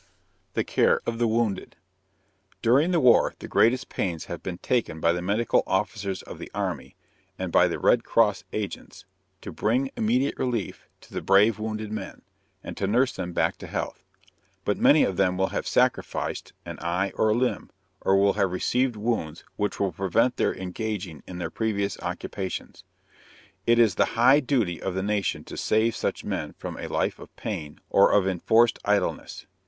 THE CARE OF THE WOUNDED. During the war the greatest pains have been taken by the medical officers of the army, and by the Red Cross agents, to bring immediate relief to the brave wounded men, and to nurse them back to health. But many of them will have sacrificed an eye or a limb, or will have received wounds which will prevent their engaging in their previous occupations. It is the high duty of the nation to save such men from a life of pain or of enforced idleness.